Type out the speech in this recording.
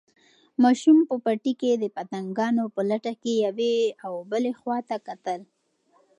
ماشوم په پټي کې د پتنګانو په لټه کې یوې او بلې خواته کتل.